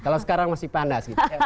kalau sekarang masih panas